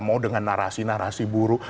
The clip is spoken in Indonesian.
mau dengan narasi narasi buruk